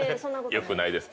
よくないです。